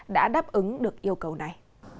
đã đáp ứng được yêu cầu này